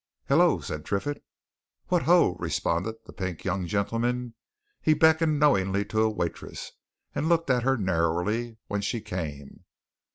"Hullo!" said Triffitt. "What ho!" responded the pink young gentleman. He beckoned knowingly to a waitress, and looked at her narrowly when she came.